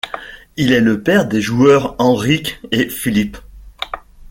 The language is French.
Il est le père des joueurs Henrik et Philip.